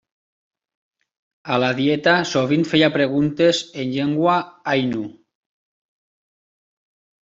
A la Dieta sovint feia preguntes en llengua ainu.